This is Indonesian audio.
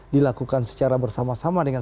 dilakukan secara bersama sama dengan